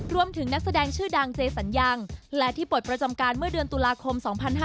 นักแสดงชื่อดังเจสัญญังและที่ปลดประจำการเมื่อเดือนตุลาคม๒๕๕๙